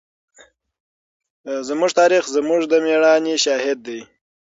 زموږ تاریخ زموږ د مېړانې شاهد دی.